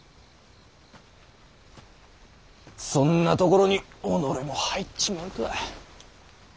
そんなところに己も入っちまうとは！